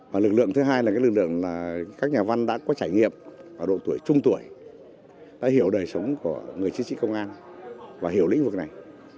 và lực lượng thứ hai là các nhà văn đã có trải nghiệm ở độ tuổi trung tuổi đã hiểu đời sống của người chí trị công an và hiểu lĩnh vực này